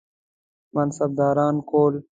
منصبداران کول.